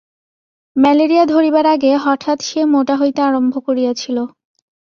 Malaria ধরিবার আগে হঠাৎ সে মোটা হইতে আরম্ভ করিয়াছিল।